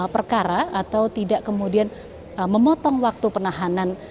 perkara atau tidak kemudian memotong waktu penahanan